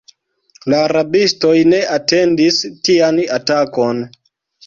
La rabistoj ne atendis tian atakon.